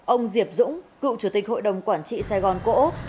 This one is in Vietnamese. ông diệp dũng cựu chủ tịch hội đồng quản trị sài gòn cổ úc